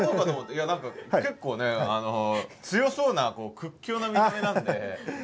いや何か結構ね強そうな屈強な見た目なんで。